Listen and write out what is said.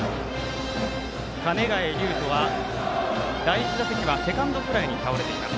鐘ヶ江瑠斗は第１打席はセカンドフライに倒れています。